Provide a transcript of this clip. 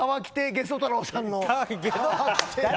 げそ太郎さんの。